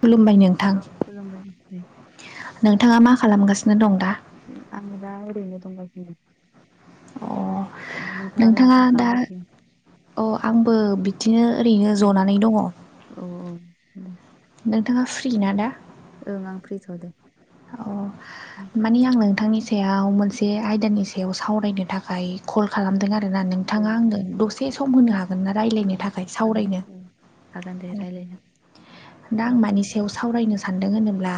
खुलुमबाय नोंथां औ खुलुमबाय दे नोंथाङा मा खालामगासिनो दं दा आं दा एरैनो दंगासिनो अ नोंथाङालाय नोंथाङा माथो दा खालामगासिनो? अ आंबो बिदिनो ओरैनो जनानै दङ बि नोंथाङा फ्रि ना दा ओं आं फ्रिथ' दे अ ओं मानि आं नोंथांनिसम सायाव मोनसे आयदानि सायाव सावरायनो थाखाय कल खालामदों आरो आरोना नोंथाङा आंनो दसे सम होनो हागोन ना रायज्लायनो थाखाय आ सावरायनो हागोन दे रायज्लायनो दा आं मानि सायाव सावरायनो सानदों होनोब्ला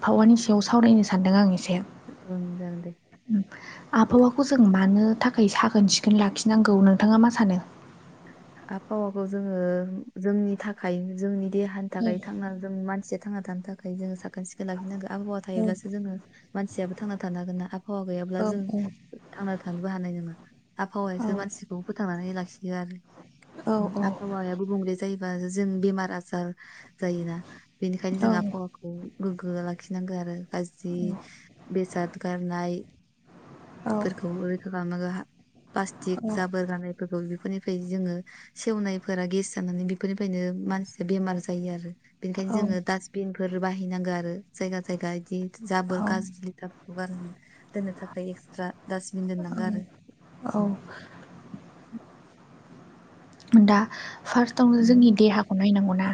आबावानि सायाव सावरायनो सानदों आं ओं जागोन दे आबहावाखौ जों मानो थाखाय साखोन सिखोन लाखिनांगौ नोंथाङा मा सानो आबहावाखौ जोङो जोंनि थाखाय जोंनि देहानि थाखाय थांना जों मानसिया थांना थानो थाखाय जोङो साखोन सिखोन लाखिनांगौ आबहावा औ थायोब्लासो जोङो मानसियाबो थांना थानो हागोन ना आबहावा गैयाब्ला जों औ थांना थानोबो हानाय नंङा औ आबहावायासो औ मानसिखौ फोथांनानै लाखियो आरो औ आबहावाया गुबुंले जायो जों बेमार आजार जायोना बेनिखायनो औ जों आबहावाखौ गोग्गो लाखिनांगौ आरो गाज्रि बेसाद गारनाय फोरखौ रैखा खालामनांगौ प्लास्टिक जाबोर जानायफोरखौ बेफोरनिफ्राय जोङो सेवनायफोरा गेस जानानै बेफोरनिफ्रायनो मानसिया बेमार जायो आरो औ बेनिखायनो जोङो डास्टबिनफोर बाहायनांगौ आरो जायगा जायगा इदि जाबोर गाज्रि लिटारफोरखौ गार दोननो थाखाय एक्सट्रा डासबिन दोननांगौ आरो औ उम। दा फार्स्टआवनो उम। जोंनि देहाखौ नायनांगौना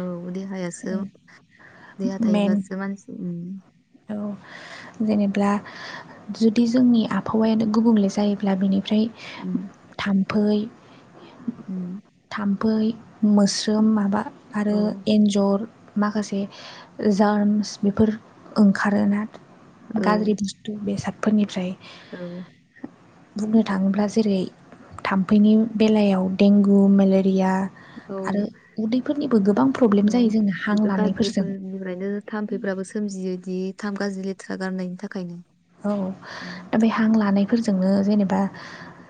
औ देहायासो देहा मेन थायोब्लासो मानसि औ जेनेबा जुदि जोंनि आबहावायानो गुबुंले जायोब्ला बिनि ओमफ्राय उम थाम्फै उम थामफै मोस्रोम माबा औ आरो एन्जर माखासे जार्मस बेफोर ओंखारोना औ गाज्रि बुस्थु बेसादफोरनिफ्राय औ बुंनो थाङोब्ला जेरै थाम्फैनि बेलायाव देंगु मेलेरिया औ आरो उदैफोरनिबो गोबां औ प्रब्लेम जायो जोंनो हां लानायफोरजों सोमजियोदि थाम गाजि लेथ्रा गारनायनि थाखायनो उम, औ बे हां लानायफोरजोंनो जेनेबा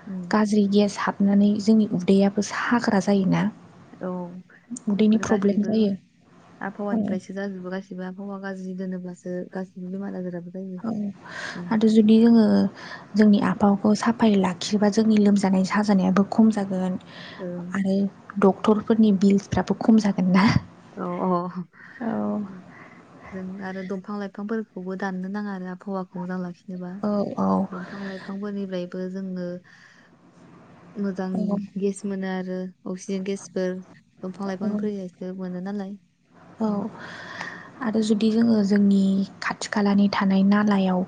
उम, गाज्रि गेस हाब नानै जोंनि उदैयाबो साग्रा जायोना। औ उदैनि बेफोर प्रब्लेम गासैबो जायो औ आबहावानिफ्रायसो जाजोबो गासिबो आबहावा गाज्रि दोनोब्लासो गासिबो बेमार आजाराबो जायो औ उम, आरो जुदि जोङो जोंनि आफाखौ साफाय लाग खिबा जोंनि लोमजानाय साजानायाबो खम जागोन ओं आरो फोरनि बिल्सफ्राबो खम जागोन ना? अ अ औ जों आरो दंफां लाइफांफोर खौबो दाननो नाङा आरो आबहावाखौ मोजां लाखिनोबा औ औ दंफां लाइफांफोरनिफ्राय बो जोङो मोजां औ गेस मोनो आरो आरो अक्सिजेन गेसफोर दंफां लाइफांनि योसो मोनो नालाय औ आरो जुदि जोङो जोंनि खाथि खालानि थानाय नालायाव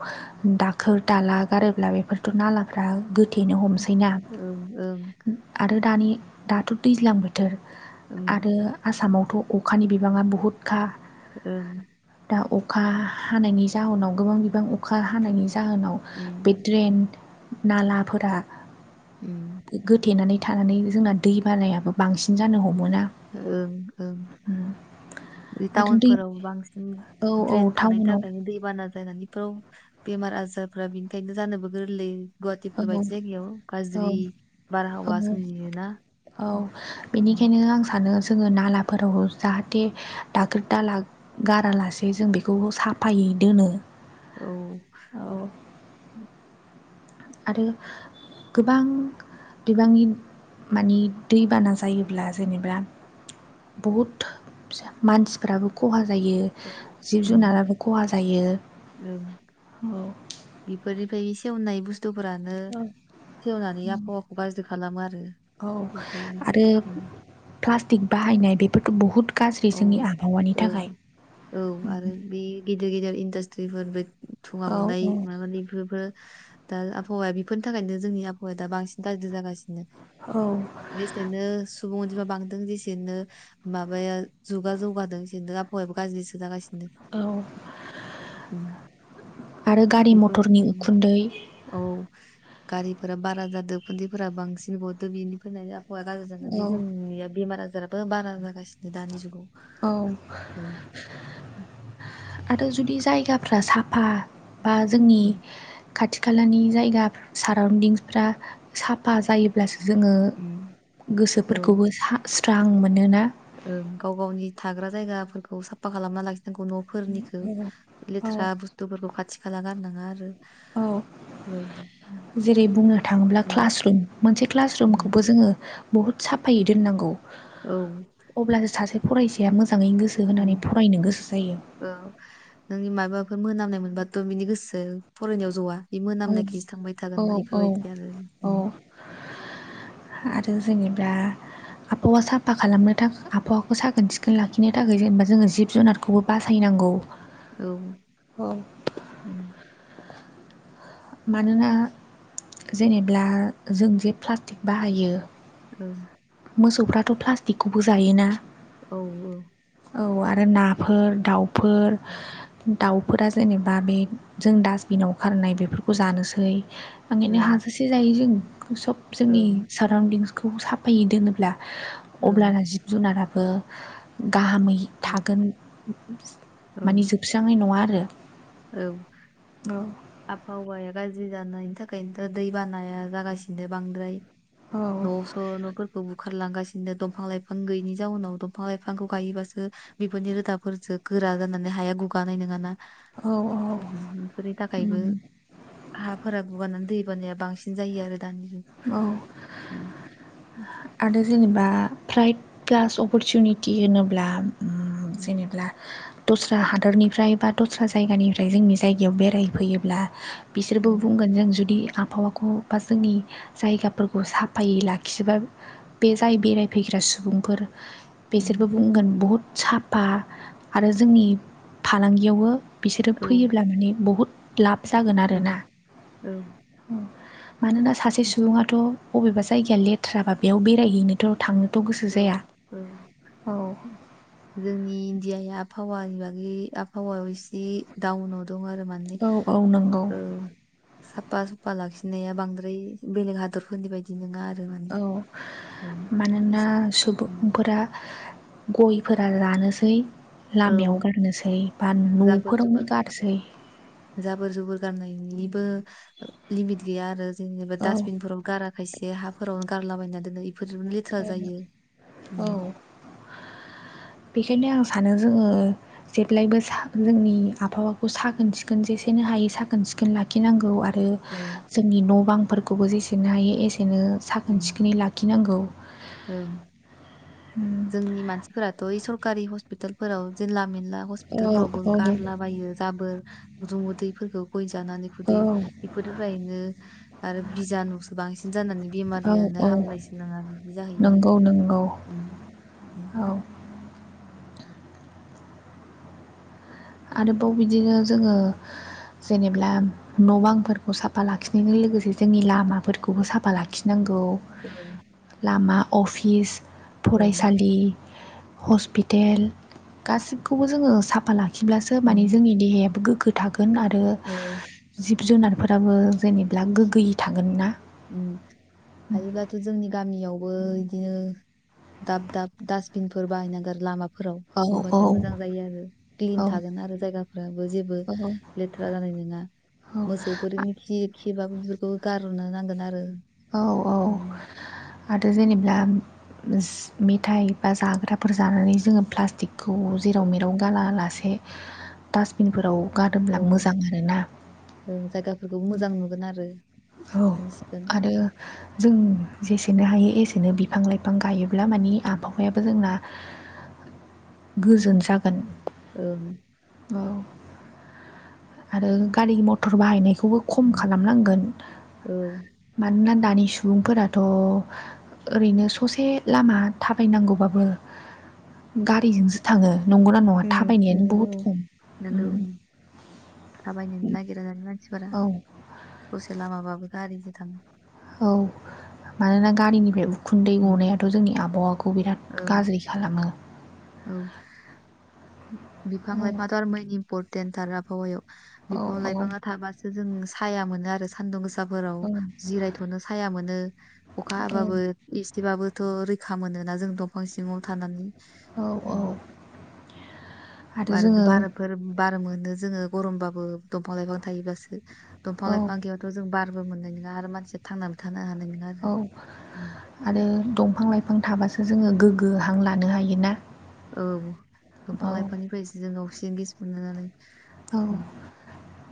दाखोर दाला गारोब्ला बेफोरथ' नालाफ्रा गोथेनो हमो औ ओं आरो दानि दाथ' दैज्लां बोथोर ओं आरो आसामाव थ' अखानि बिबाङा बहुतखा ओ अखा हानायनि जाहोनाव गोबां बिबां अखा हानायनि जाहोनाव उम बे ड्रेन नालाफोरा उम गोथेनानै थानानै जोंना दै बानायाबो बांसिन जानो हम ओं ओं आरो दै टाउनफोराव बांसिन औ औ ड्रेन थानायनि टाउनाव थाखायनो दैबाना बेमार आजारफ्रा बेनिखायनो जानोबो गोरलै। औ गुवाहाटिफोर बायदि जायगायाव औ गाज्रि बारहावा औ सोमजियोना? औ उम, बेनिखायनो आं सानो जोङो नालाफोराव जाहाथे दाखोर दाला गारालासे जों बेखौ साफायो दोनो। औ आरो गोबां बिबांनि मानि दैबाना जायोब्ला जेनेबा बहुत मानसिफ्राबो खहा जायो औ जिब उम जुनाराबो खहा जायो। ओमफ्राय बे सेवनाय बुस्थुफोरानो सेवनानै आबहावाखौ गाज्रि खालामो आरो औ आरो बेफोर प्लास्टिक बाहायनाय बेफोरथ' बुहुत गाज्रि औ जोंनि आबहावानि ओं थाखाय। औ आरो बे गिदिर गिदिर इनडास्ट्रिफोर थुंङा औ गननाय माबानि बेफोरबो दा आबहावाया बेफोरनि थाखायनो जोंनि आबहावायाा बांसिन गाज्रि जागासिनो औ जेसेनो सुबुं अनजिमा बांदों जेसेनो माबाया जुगा जौगादों आबहावायाबो गाज्रिसो जागासिनो औ उम, आरो गारि मटरनि बेफोर उखुन्दै औ गारिफोरा बारा जादों खुन्न्दैफोरा बांसिन गदों बिनि अबहावाया गाज्रि जानानै औ जोंनिया बेमार आजाराबो बारा जागासिनो दानि जुगाव औ औ आरो जुदि जायगाफ्रा साफा बा जोंनि उम, खाथि खालानि जायगा साराउन्दिंफ्रा साफा जायोब्लासो जोङो उम, औ गोसोफोरखौबो स्रां मोनोना। गाव गावनि थाग्रा जायगाफोरखौ साफा खालामना लाखि न'फोरनिखौ औ लेथ्रा बुस्थुफोरखौ खाथि खाला गारनाङा आरो औ बेबायदि जेरै बुंनो थाङोब्ला उम क्लास रुम मोनसे क्लास रुमखौबो उम जोङो बुहुत साफायै दोननांगौ औ अब्लासो सासे फरायसाया मोजां औ नोंनि माबाफोर मोनामनायमोन ब्लाथ' बिनि गोसो फरायनायाव ज'आ बे औ मोनामनायखि जोसो थांबाय औ थागोन औ बेफोरबायदि आरो औ आरो जेनेबा आबहावा साफा खालामनो थाखाय आबहावाखौ साखोन सिखोन लाखिनो थाखाय जेनेबा जोङो जिब जुनारखौबो बासायनां गौ औ मानोना जेनेब्ला जों जे प्लास्टिक बाहायो औ मोसौफ्राथ' प्लास्टिकखौबो जायोना औ औ औ आरो नाफोर दाउफोर दाउफोरा जेनेबा बे जों डास्टबिनाव खारनाय बेफोरखौ जानोसै औ ओंखायनो हाजासे जायो जों सब जोंनि औ साराउन्दिंसखौ साफायै दोनोब्ला औ अब्लाना जिब जुनाराबो गाहामै औ थागोन औ माने जोबस्राांनाय नङा आरो औ औ आबहावाया गाज्रि जानायनि थाखायनोथ' दै बानाया जागासिनो बांद्राय औ न' स' न'फोरखौ बुख खारलांगासिनो दंफां लाइफां गैयैनि जाउनाव दंफां लाइफांखौ गायोबासो बिफोरनि रोदाफोरजों गोरा जानानै हाया गुगानाय नङाना औ बेफोरनि थाखायबो उम हाफोरा गुगानानै दै बानाया बांसिन जायो आरो दानि [inaudible] औ आरो जेनेबा फ्राइट फ्लास अपरसुनिटि होनोब्ला ओम जेनेब्ला दस्रा हादरनिफ्राय बा दस्रा जायगानिफ्राय जोंनि जायगायाव बेरायफैयोब्ला औ बिसोरबो बुंगोन जों जुदि आबहावाखौ बा जोंनि जायगाफोरखौ साफायै लाखिबा बे जाय बेरायफैग्रा सुबुंफोर बेसोरबो बुंगोन बहुद साफा आरो जोंनि फालांगियावबो बिसोरो औ फैयोब्ला माने बहुद लाब जागोन आरोना। औ ओम मानोना सासे औ सुबुङाथ' बबेबा जायगाया लेथ्राबा बेयाव बेरायहैनोथ' थांनोथ' गोसो औ जाया औ जोंनि [unintelligible] आबहावानि बागै आबहावायाव एसे दाउनाव दं आरो माने औ औ नंगौ औ साफा सुफा लाखिनाया बांद्राय बेलेग हादरफोरनि बायदि नङा आरो माने औ मानोना सुबुंफोरा गयफोरा लानोसै औ लामायाव गारनोसै बा नों जाबोर न'फोरावनो जुबोर गारसै जाबोर जुबोर गारनायनिबो लिमिट गैया आरो जेनेबा औ डास्टबिनफोराव गारा खायसे हाफोरावनो गारलाबायना दोनो बेफोरजोंनो लेथ्रा जायो औ ओम बेखायनो आं सानो जोङो जेब्लायबो सा जोंनि आबहावाखौ साखोन सिखोन जेसेनो हायो साखोन सिखोन लाखिनांगौ आ रो औ जोंनि न' बांफोरखौबो जेसेनो हायो एसेनो साखोन उम, सिखोनै लाखिनांगौ ओं जोंनि मानसिफोराथ' ओइ सरकारि हस्पिटालफोराव जेला मेन ला औ हस्पितालफोरावबो औ गारलाबायो जाबोर जुमुदैफोरखौ गय जानानै औ खुदै बेफोरनिफ्रायनो आरो बिजानुसो बांसिन जानानै औ बेमारिया ओ औ हामनायसो नङा बि नंगौ नंगौ औ आरोबाव बिदिनो जोङो जेनेब्ला न' बांफोरखौ साफा लाखिनायजों लोगोसे जोंनि लामाफोरखौबो साफा लाखिनां गौ ओं लामा अफिस ओं फरायसालि हस्पिटेल गासिबखौबो जोङो साफा ला खिब्लासो माने उम, जोंनि देहायाबो गोग्गो थागोन आरो औ जिब जुनारफोराबो जेनेब्ला गोगोयै थागोन ना ओम हायोब्लाथ' जोंनि गामियाव बो इदिनो दाब दाब दास्टबिनफोर बाहायनांगोन लामा फोराव औ औ होनबासो मोजां जायो आरो क्लिन औ थागोन आरो जायगाफोराबो जेबो औ लेथ्रा जानाय नङा औ मोसौफोरनि खि खिबाबो बेफोरखौ गारहरनो नांगोन आरो औ औ आरो जेनेब्ला मेथाइ बा जाग्राफोर जानानै जोङो प्लास्टिक खौ जेराव औ मेराव गारा लासे दास्टबिनफोराव गादोमब्ला औ मोजां आरो ना ओं जायगाफोरखौ मोजां नुगोन आरो औ साखोन सिखोन आरो जों जेसेनो हायो एसेनो बिफां लाइफां गायोब्ला मानि आबहावायाबो जोंना गोजोन जागोन ओं औ आरो गारि मथर बाहायनायखौबो खम खालामनांगोन औ मानोना दानि सुबुंफोराथ' ओरैनो ससे लामा थाबायनांगौबाबो गारिजोंसो थाङो। नंगौना नङा थाबायनायानो नंगौ बुहुद खम? नोंगौ थाबायनोनो नागिरा दानि मानसिफोरा औ ससे लामाबाबो गारिजों थाङो। औ मानोना गारिनिफ्राय उखुन्दै गनायाथ' जोंनि आबहावाखौ बिराद ओं गाज्रि खालामो। औ बिफां औ लाइफांआथ' आरो मैन इम्परटेन्ट थार आबहावायाव। औ बिफां औ लाइफाङा थाबासो जों साया मोनो आरो सान्दुं गोसा फोराव औ जिरायथ'नो साया मोनो अखा हाबाबो इसेबाबो थ' रैखा मोनोना जों दंफां सिङाव थानानै औ औ उम, आरो बारफोर बार मोनो जोङो गरमबाबो दंफां लाइफां थायोबासो दंफां औ लाइफां गैयाथ' जों बारबो मोननाय नङा आरो मानसिया थांनानै थानो हानाय नङा आरो औ आरो दंफां लाइफां थाबासो जोङो गोग्गो हां लानो हायो ना? औ दंफां लाइफांनिफ्रायसो जों ओक्सिजन गेस मोनो नालाय औ उम,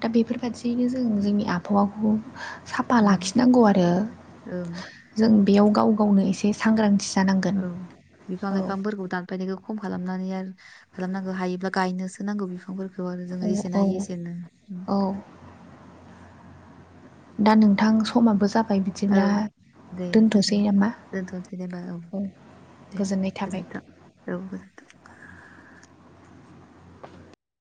दा बेफोरबादि दिनो जों जोंनि आबहावाखौ साफा उम, लाखिनांगौ आरो। ओं जों बेयाव गाव गावनो एसे सांग्रांथि जानांगोन औ बिफां औ लाइफांफोरखौ दानफायनायखौ खम खालामनानै आरो खालामनांगौ हायोब्ला गायनोसो नांगौ बिफांफोर खौ आरो औ जोङो औ एसेनो हायो एसेनो। औ दा नोंथां समाबो जा औ दे जागोन नामा दोनथ'नोसै दे होनबा औ दे गोजोननाय थाबाय गोजोन्थों औ गोजोन्थों।